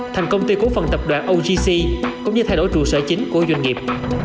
thành công ty cố phần tập đoàn occ cũng như thay đổi trụ sở chính của doanh nghiệp